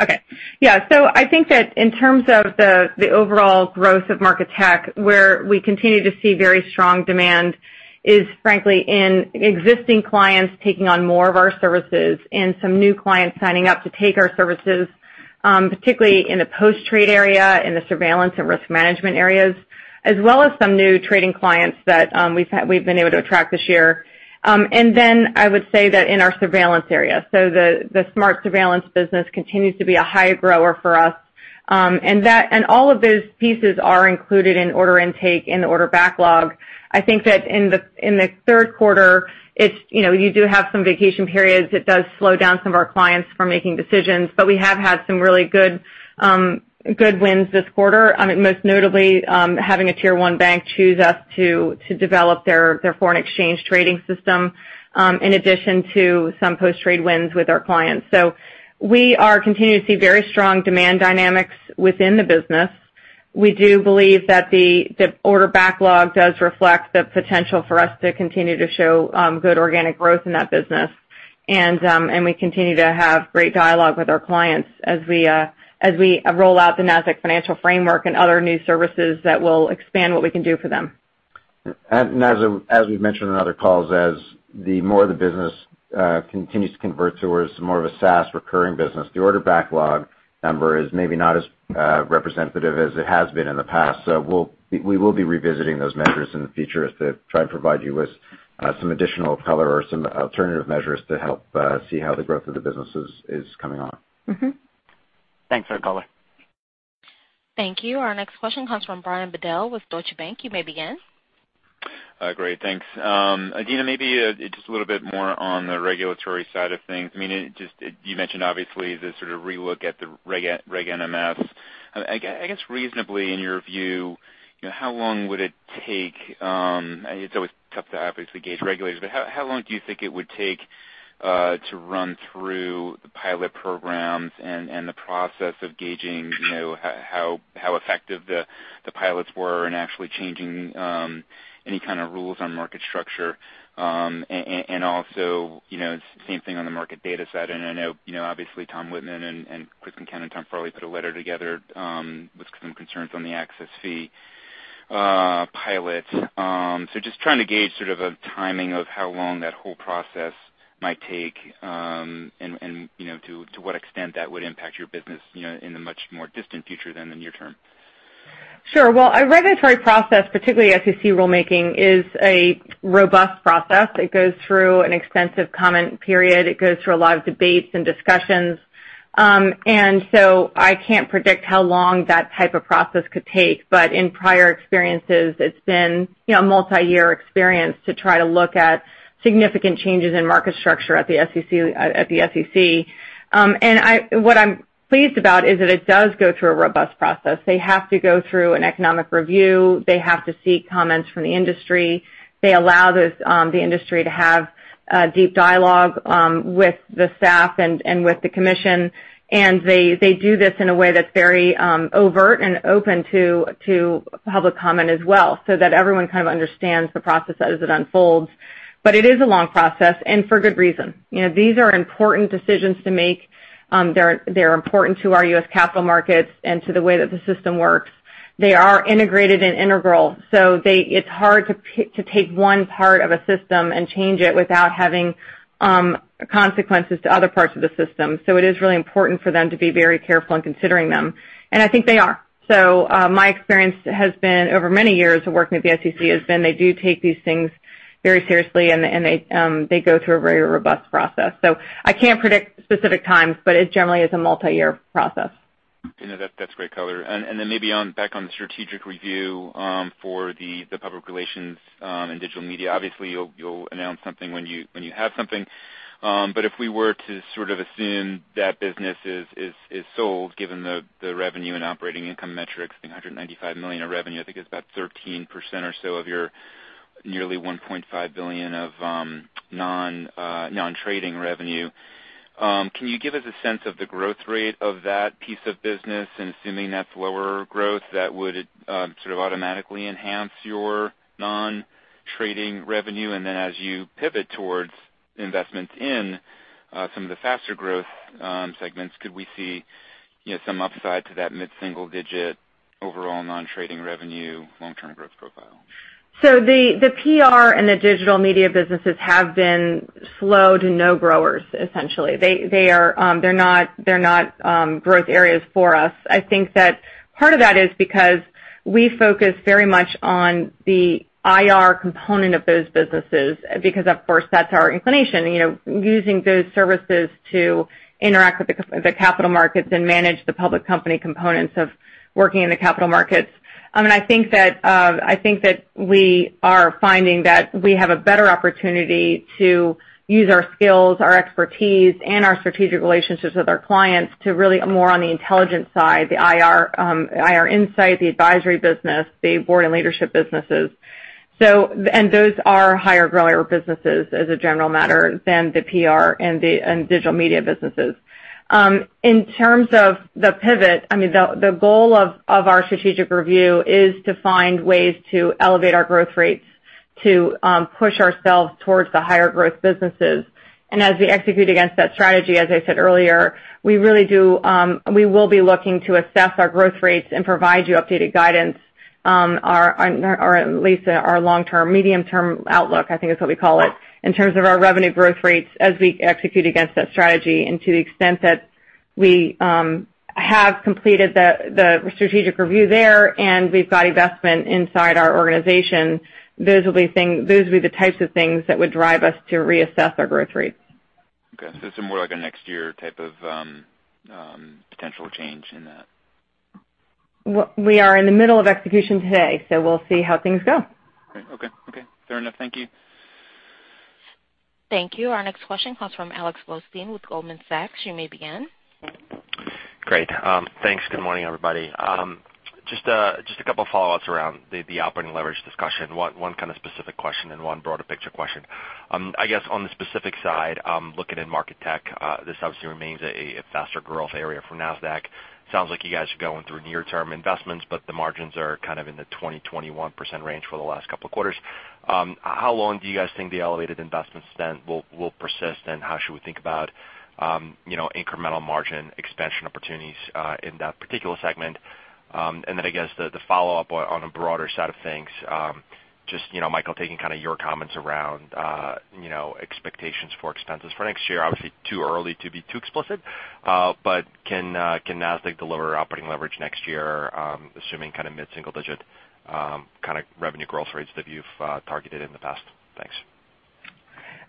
Okay. Yeah. I think that in terms of the overall growth of market tech, where we continue to see very strong demand is frankly in existing clients taking on more of our services and some new clients signing up to take our services, particularly in the post-trade area, in the surveillance and risk management areas, as well as some new trading clients that we've been able to attract this year. Then I would say that in our surveillance area, the smart surveillance business continues to be a high grower for us. All of those pieces are included in order intake and order backlog. I think that in the third quarter, you do have some vacation periods. It does slow down some of our clients from making decisions. We have had some really good wins this quarter. Most notably, having a tier 1 bank choose us to develop their foreign exchange trading system, in addition to some post-trade wins with our clients. We are continuing to see very strong demand dynamics within the business. We do believe that the order backlog does reflect the potential for us to continue to show good organic growth in that business. We continue to have great dialogue with our clients as we roll out the Nasdaq Financial Framework and other new services that will expand what we can do for them.
As we've mentioned on other calls, as more of the business continues to convert towards more of a SaaS recurring business, the order backlog number is maybe not as representative as it has been in the past. We will be revisiting those measures in the future as to try and provide you with some additional color or some alternative measures to help see how the growth of the business is coming on.
Thanks for the color.
Thank you. Our next question comes from Brian Bedell with Deutsche Bank. You may begin.
Great, thanks. Adena, maybe just a little bit more on the regulatory side of things. You mentioned, obviously, this sort of relook at the Regulation NMS. I guess reasonably, in your view, how long would it take, it's always tough to obviously gauge regulators, but how long do you think it would take to run through the pilot programs and the process of gauging how effective the pilots were and actually changing any kind of rules on market structure? Also, same thing on the market data side. I know, obviously Tom Wittman and Chris Concannon, Tom Farley put a letter together with some concerns on the access fee pilot. Just trying to gauge sort of a timing of how long that whole process might take, and to what extent that would impact your business in the much more distant future than the near term.
Sure. Well, a regulatory process, particularly SEC rulemaking, is a robust process. It goes through an extensive comment period. It goes through a lot of debates and discussions. I can't predict how long that type of process could take. But in prior experiences, it's been a multi-year experience to try to look at significant changes in market structure at the SEC. What I'm pleased about is that it does go through a robust process. They have to go through an economic review. They have to seek comments from the industry. They allow the industry to have deep dialogue with the staff and with the commission. They do this in a way that's very overt and open to public comment as well, so that everyone kind of understands the process as it unfolds. But it is a long process and for good reason. These are important decisions to make. They're important to our U.S. capital markets and to the way that the system works. They are integrated and integral. It's hard to take one part of a system and change it without having consequences to other parts of the system. It is really important for them to be very careful in considering them. I think they are. My experience has been over many years of working with the SEC, has been they do take these things very seriously, and they go through a very robust process. I can't predict specific times, but it generally is a multi-year process.
Adena, that's great color. Maybe back on the strategic review for the public relations and digital media. Obviously, you'll announce something when you have something. If we were to sort of assume that business is sold, given the revenue and operating income metrics, I think $195 million of revenue, I think it's about 13% or so of your nearly $1.5 billion of non-trading revenue. Can you give us a sense of the growth rate of that piece of business and assuming that's lower growth, that would sort of automatically enhance your non-trading revenue? As you pivot towards investments in some of the faster growth segments, could we see some upside to that mid-single digit overall non-trading revenue long-term growth profile?
The PR and the digital media businesses have been slow to no growers, essentially. They're not growth areas for us. I think that part of that is because we focus very much on the IR component of those businesses, because of course, that's our inclination. Using those services to interact with the capital markets and manage the public company components of working in the capital markets. I think that we are finding that we have a better opportunity to use our skills, our expertise, and our strategic relationships with our clients to really more on the intelligence side, the IR Insight, the advisory business, the board and leadership businesses. Those are higher grower businesses as a general matter than the PR and digital media businesses. In terms of the pivot, the goal of our strategic review is to find ways to elevate our growth rates, to push ourselves towards the higher growth businesses. As we execute against that strategy, as I said earlier, we will be looking to assess our growth rates and provide you updated guidance, or at least our long-term, medium-term outlook, I think is what we call it, in terms of our revenue growth rates as we execute against that strategy. To the extent that we have completed the strategic review there and we've got investment inside our organization, those will be the types of things that would drive us to reassess our growth rates.
Okay. It's more like a next year type of potential change in that.
We are in the middle of execution today, so we'll see how things go.
Great. Okay. Fair enough. Thank you.
Thank you. Our next question comes from Alex Blostein with Goldman Sachs. You may begin.
Great. Thanks. Good morning, everybody. Just a couple of follow-ups around the operating leverage discussion, one kind of specific question and one broader picture question. I guess on the specific side, looking at Market Tech, this obviously remains a faster growth area for Nasdaq. Sounds like you guys are going through near-term investments, but the margins are kind of in the 20%-21% range for the last couple of quarters. How long do you guys think the elevated investment spend will persist, and how should we think about incremental margin expansion opportunities in that particular segment? I guess the follow-up on a broader side of things, just, Michael, taking kind of your comments around expectations for expenses for next year, obviously too early to be too explicit, but can Nasdaq deliver operating leverage next year, assuming mid-single-digit kind of revenue growth rates that you've targeted in the past? Thanks.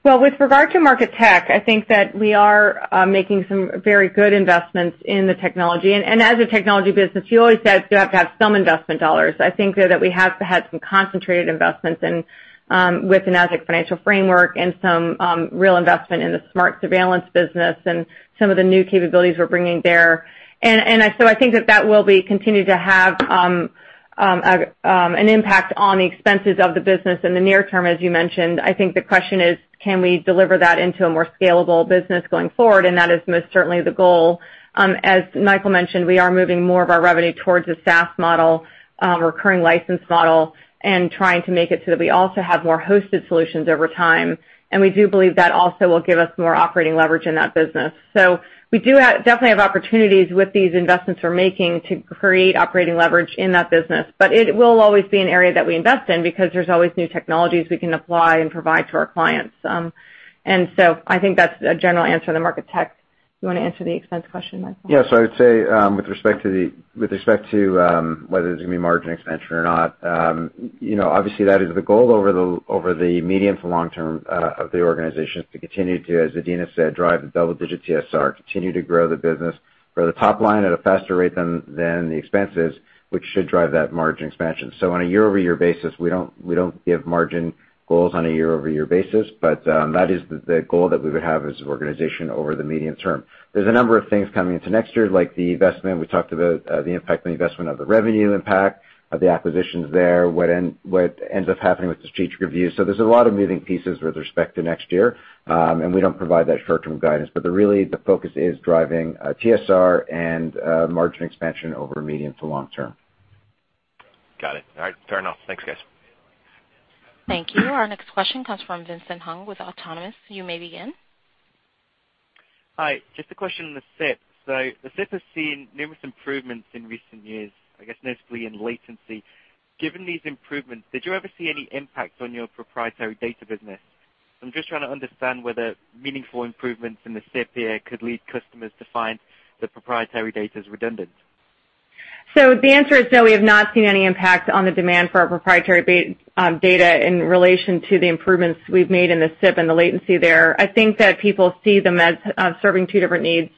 With regard to Market Tech, I think that we are making some very good investments in the technology. As a technology business, you always have to have some investment dollars. I think, though, that we have had some concentrated investments with the Nasdaq Financial Framework and some real investment in the smart surveillance business and some of the new capabilities we're bringing there. I think that that will continue to have an impact on the expenses of the business in the near term, as you mentioned. I think the question is, can we deliver that into a more scalable business going forward? That is most certainly the goal. As Michael mentioned, we are moving more of our revenue towards a SaaS model, recurring license model, and trying to make it so that we also have more hosted solutions over time. We do believe that also will give us more operating leverage in that business. We do definitely have opportunities with these investments we're making to create operating leverage in that business. It will always be an area that we invest in because there's always new technologies we can apply and provide to our clients. I think that's a general answer to Market Tech. You want to answer the expense question, Michael?
Yes. I would say, with respect to whether there's going to be margin expansion or not, obviously, that is the goal over the medium to long term of the organization, is to continue to, as Adena said, drive the double-digit TSR, continue to grow the business for the top line at a faster rate than the expenses, which should drive that margin expansion. On a year-over-year basis, we don't give margin goals on a year-over-year basis, but that is the goal that we would have as an organization over the medium term. There's a number of things coming into next year, like the investment we talked about, the impact of the investment of the revenue impact of the acquisitions there, what ends up happening with the strategic review. There's a lot of moving pieces with respect to next year, and we don't provide that short-term guidance. Really, the focus is driving TSR and margin expansion over medium to long term.
Got it. All right, fair enough. Thanks, guys.
Thank you. Our next question comes from Vincent Hung with Autonomous. You may begin.
Hi. Just a question on the SIP. The SIP has seen numerous improvements in recent years, I guess notably in latency. Given these improvements, did you ever see any impact on your proprietary data business? I'm just trying to understand whether meaningful improvements in the SIP here could lead customers to find the proprietary data is redundant.
The answer is no, we have not seen any impact on the demand for our proprietary data in relation to the improvements we've made in the SIP and the latency there. I think that people see them as serving two different needs.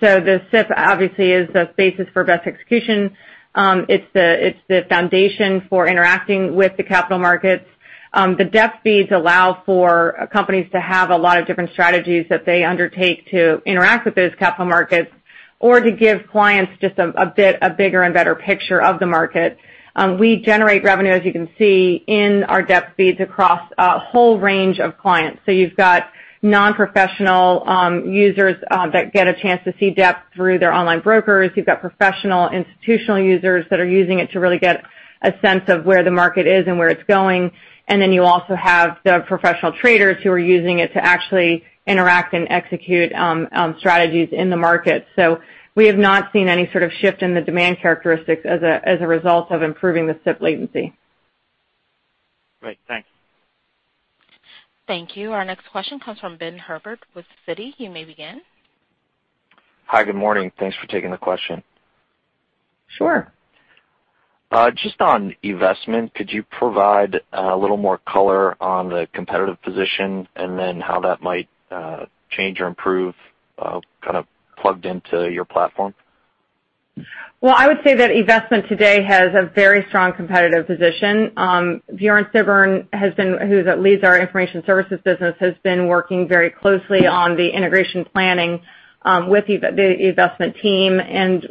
The SIP obviously is the basis for Best Execution. It's the foundation for interacting with the capital markets. The depth feeds allow for companies to have a lot of different strategies that they undertake to interact with those capital markets or to give clients just a bigger and better picture of the market. We generate revenue, as you can see, in our depth feeds across a whole range of clients. You've got non-professional users that get a chance to see depth through their online brokers. You've got professional institutional users that are using it to really get a sense of where the market is and where it's going. You also have the professional traders who are using it to actually interact and execute strategies in the market. We have not seen any sort of shift in the demand characteristics as a result of improving the SIP latency.
Great. Thanks.
Thank you. Our next question comes from Benjamin Herbert with Citi. You may begin.
Hi, good morning. Thanks for taking the question.
Sure.
Just on eVestment, could you provide a little more color on the competitive position and then how that might change or improve, kind of plugged into your platform?
Well, I would say that eVestment today has a very strong competitive position. Bjørn Sibbern, who leads our information services business, has been working very closely on the integration planning with the eVestment team.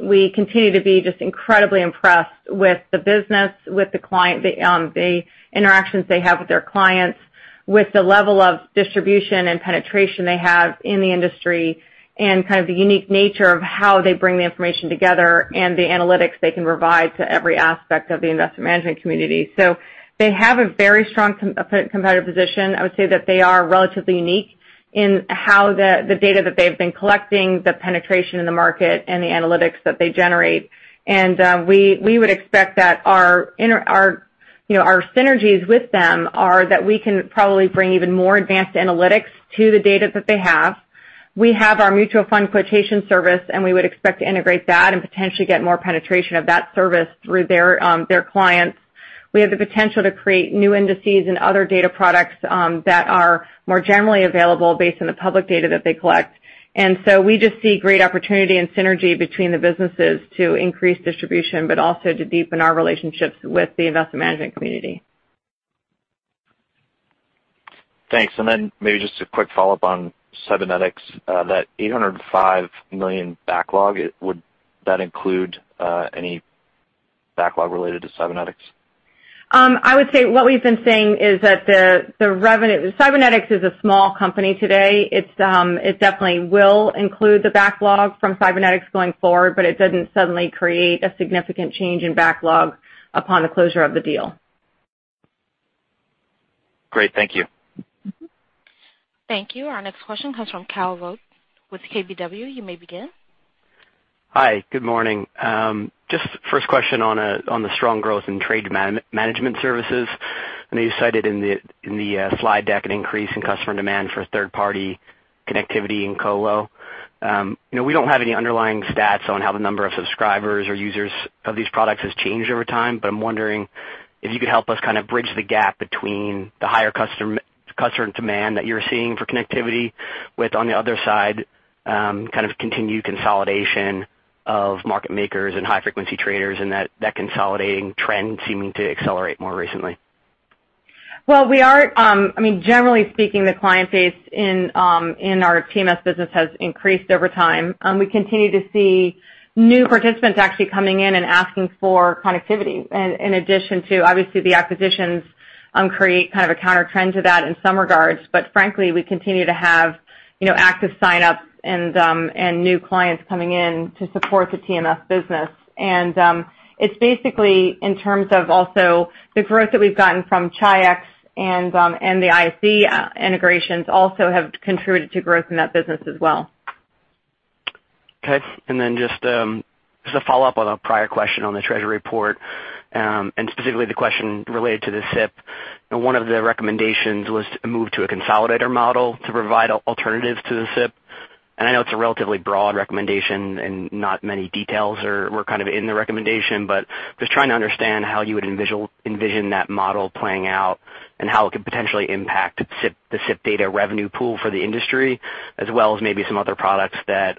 We continue to be just incredibly impressed with the business, with the interactions they have with their clients, with the level of distribution and penetration they have in the industry, and kind of the unique nature of how they bring the information together and the analytics they can provide to every aspect of the investment management community. They have a very strong competitive position. I would say that they are relatively unique in how the data that they've been collecting, the penetration in the market, and the analytics that they generate. We would expect that our synergies with them are that we can probably bring even more advanced analytics to the data that they have. We have our Mutual Fund Quotation Service. We would expect to integrate that and potentially get more penetration of that service through their clients. We have the potential to create new indices and other data products that are more generally available based on the public data that they collect. We just see great opportunity and synergy between the businesses to increase distribution, but also to deepen our relationships with the investment management community.
Thanks. Maybe just a quick follow-up on Sybenetix. That $805 million backlog, would that include any backlog related to Sybenetix?
I would say what we've been saying is that Sybenetix is a small company today. It definitely will include the backlog from Sybenetix going forward, it doesn't suddenly create a significant change in backlog upon the closure of the deal.
Great. Thank you.
Thank you. Our next question comes from Kyle Voigt with KBW. You may begin.
Hi. Good morning. First question on the strong growth in Trade Management Services. I know you cited in the slide deck an increase in customer demand for third-party connectivity in colo. We don't have any underlying stats on how the number of subscribers or users of these products has changed over time, but I'm wondering if you could help us kind of bridge the gap between the higher customer demand that you're seeing for connectivity with, on the other side, kind of continued consolidation of market makers and high-frequency traders and that consolidating trend seeming to accelerate more recently.
Generally speaking, the client base in our TMS business has increased over time. We continue to see new participants actually coming in and asking for connectivity, in addition to, obviously, the acquisitions create kind of a countertrend to that in some regards. Frankly, we continue to have active sign-ups and new clients coming in to support the TMS business. It's basically in terms of also the growth that we've gotten from Chi-X and the ISE integrations also have contributed to growth in that business as well.
Okay. Just as a follow-up on a prior question on the Treasury report, and specifically the question related to the SIP. One of the recommendations was to move to a consolidator model to provide alternatives to the SIP. I know it's a relatively broad recommendation, and not many details were kind of in the recommendation. Just trying to understand how you would envision that model playing out and how it could potentially impact the SIP data revenue pool for the industry, as well as maybe some other products that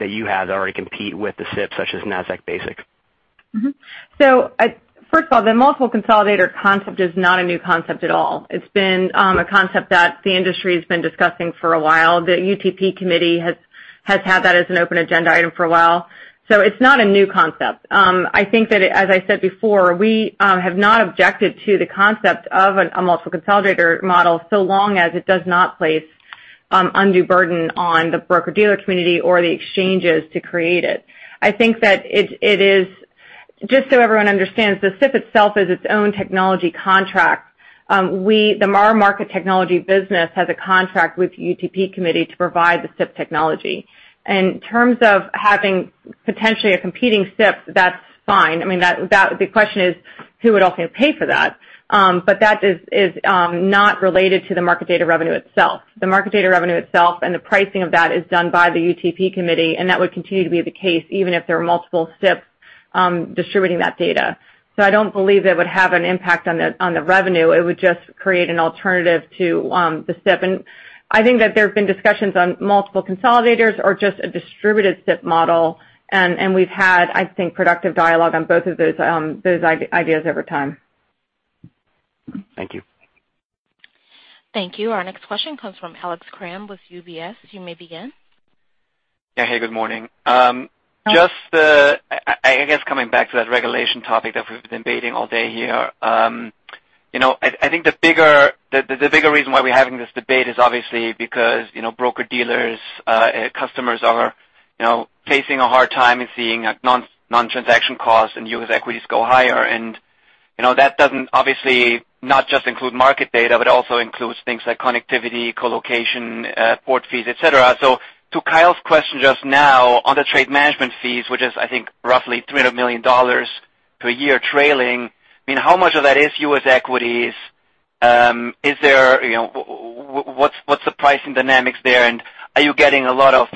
you have that already compete with the SIP, such as Nasdaq Basic.
Mm-hmm. First of all, the multiple consolidator concept is not a new concept at all. It's been a concept that the industry's been discussing for a while. The UTP committee has had that as an open agenda item for a while. It's not a new concept. I think that, as I said before, we have not objected to the concept of a multiple consolidator model, so long as it does not place undue burden on the broker-dealer community or the exchanges to create it. Just so everyone understands, the SIP itself is its own technology contract. The market technology business has a contract with the UTP committee to provide the SIP technology. In terms of having potentially a competing SIP, that's fine. The question is, who would also pay for that? That is not related to the market data revenue itself. The market data revenue itself and the pricing of that is done by the UTP committee, and that would continue to be the case even if there were multiple SIPs distributing that data. I don't believe that would have an impact on the revenue. It would just create an alternative to the SIP. I think that there have been discussions on multiple consolidators or just a distributed SIP model, and we've had, I think, productive dialogue on both of those ideas over time.
Thank you.
Thank you. Our next question comes from Alex Kramm with UBS. You may begin.
Yeah. Hey, good morning.
Hi.
I guess coming back to that regulation topic that we've been debating all day here. I think the bigger reason why we're having this debate is obviously because broker-dealers' customers are facing a hard time in seeing non-transaction costs and U.S. equities go higher. That doesn't obviously not just include market data, but also includes things like connectivity, co-location, port fees, et cetera. To Kyle's question just now on the trade management fees, which is, I think, roughly $300 million per year trailing, how much of that is U.S. equities? What's the pricing dynamics there? Are you getting a lot of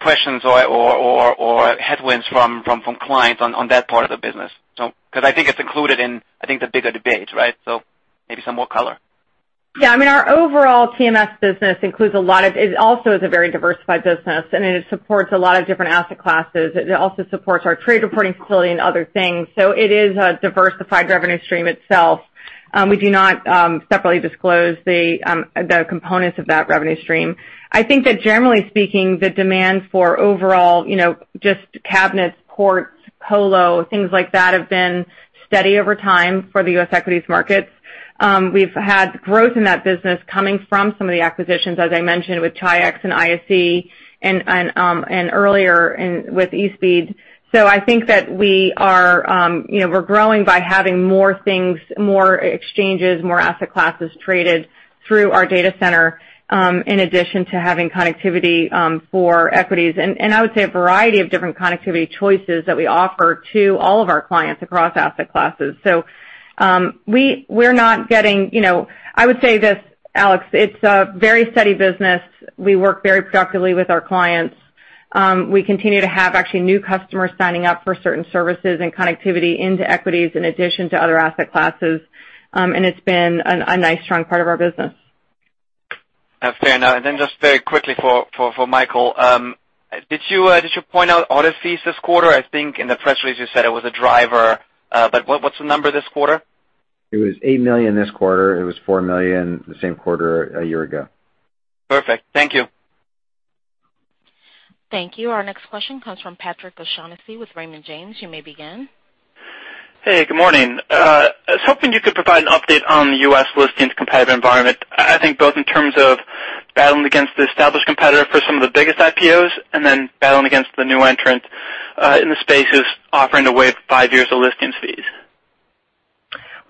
questions or headwinds from clients on that part of the business? Because I think it's included in the bigger debate, right? Maybe some more color.
Yeah. Our overall TMS business is also a very diversified business, and it supports a lot of different asset classes. It also supports our trade reporting facility and other things. It is a diversified revenue stream itself. We do not separately disclose the components of that revenue stream. I think that generally speaking, the demand for overall just cabinets, ports, colo, things like that have been steady over time for the U.S. equities markets. We've had growth in that business coming from some of the acquisitions, as I mentioned, with Chi-X and ISE and earlier with eSpeed. I think that we're growing by having more things, more exchanges, more asset classes traded through our data center, in addition to having connectivity for equities, and I would say, a variety of different connectivity choices that we offer to all of our clients across asset classes. I would say this, Alex, it's a very steady business. We work very productively with our clients. We continue to have actually new customers signing up for certain services and connectivity into equities in addition to other asset classes. It's been a nice, strong part of our business.
That's fair enough. Just very quickly for Michael, did you point out audit fees this quarter? I think in the press release you said it was a driver, but what's the number this quarter?
It was $8 million this quarter. It was $4 million the same quarter a year ago.
Perfect. Thank you.
Thank you. Our next question comes from Patrick O'Shaughnessy with Raymond James. You may begin.
Hey, good morning. I was hoping you could provide an update on the U.S. listings competitive environment, I think both in terms of battling against the established competitor for some of the biggest IPOs and then battling against the new entrants in the spaces offering to waive 5 years of listings fees.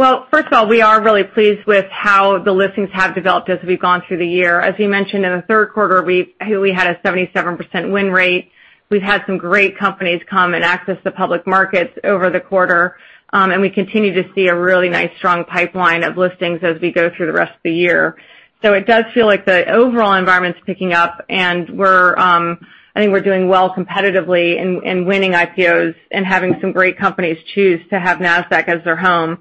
First of all, we are really pleased with how the listings have developed as we've gone through the year. As you mentioned, in the third quarter, we had a 77% win rate. We've had some great companies come and access the public markets over the quarter, and we continue to see a really nice, strong pipeline of listings as we go through the rest of the year. It does feel like the overall environment's picking up, and I think we're doing well competitively in winning IPOs and having some great companies choose to have Nasdaq as their home.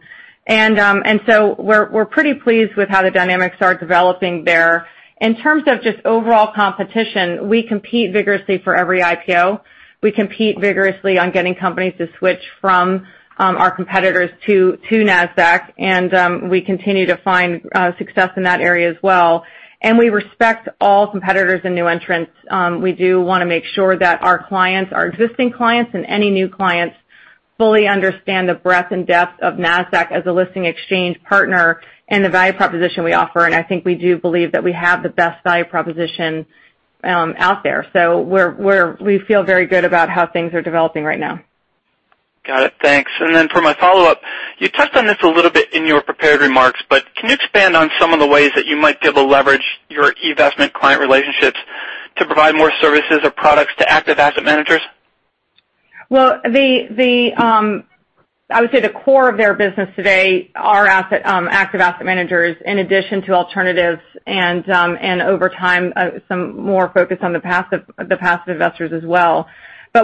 We're pretty pleased with how the dynamics are developing there. In terms of just overall competition, we compete vigorously for every IPO. We compete vigorously on getting companies to switch from our competitors to Nasdaq, and we continue to find success in that area as well. We respect all competitors and new entrants. We do want to make sure that our clients, our existing clients, and any new clients fully understand the breadth and depth of Nasdaq as a listing exchange partner and the value proposition we offer. I think we do believe that we have the best value proposition out there. We feel very good about how things are developing right now.
Got it. Thanks. Then for my follow-up, you touched on this a little bit in your prepared remarks, but can you expand on some of the ways that you might be able to leverage your eVestment client relationships to provide more services or products to active asset managers?
Well, I would say the core of their business today are active asset managers in addition to alternatives and, over time, some more focus on the passive investors as well.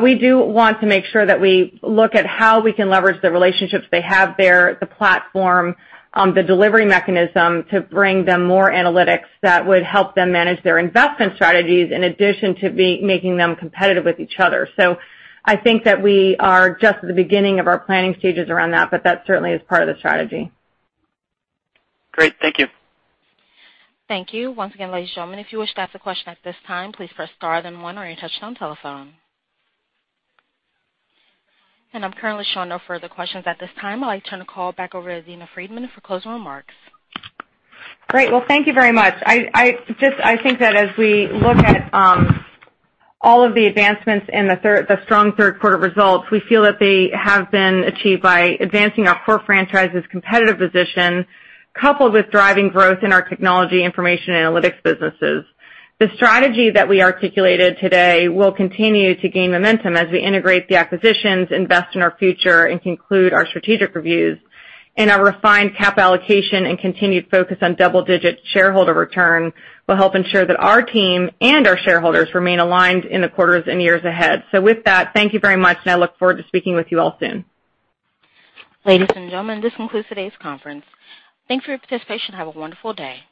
We do want to make sure that we look at how we can leverage the relationships they have there, the platform, the delivery mechanism, to bring them more analytics that would help them manage their investment strategies in addition to making them competitive with each other. I think that we are just at the beginning of our planning stages around that, but that certainly is part of the strategy.
Great. Thank you.
Thank you. Once again, ladies and gentlemen, if you wish to ask a question at this time, please press star then one on your touchtone telephone. I'm currently showing no further questions at this time. I'd like to turn the call back over to Adena Friedman for closing remarks.
Great. Well, thank you very much. I think that as we look at all of the advancements and the strong third quarter results, we feel that they have been achieved by advancing our core franchise's competitive position coupled with driving growth in our technology information analytics businesses. The strategy that we articulated today will continue to gain momentum as we integrate the acquisitions, invest in our future, and conclude our strategic reviews. Our refined cap allocation and continued focus on double-digit shareholder return will help ensure that our team and our shareholders remain aligned in the quarters and years ahead. With that, thank you very much, and I look forward to speaking with you all soon.
Ladies and gentlemen, this concludes today's conference. Thanks for your participation. Have a wonderful day.